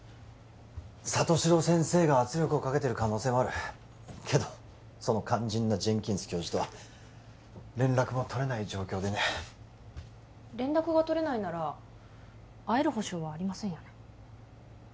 里城先生が圧力をかけてる可能性もあるけどその肝心なジェンキンス教授とは連絡も取れない状況でね連絡が取れないなら会える保証はありませんよね